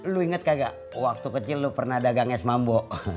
lu inget kagak waktu kecil lu pernah dagang es mambo